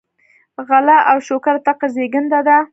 غلا او شوکه د فقر زېږنده ده.